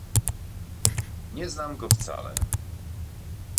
"nieznam go wcale?"